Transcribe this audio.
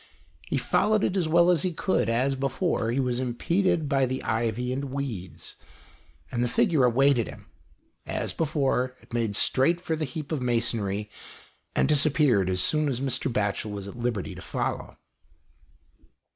He followed it as well as he could ; as before, he was impeded by the ivy and weeds, and the figure awaited him ; as before, it made straight for the heap of masonry and disappeared as soon as Mr. Batchel was at liberty to follow.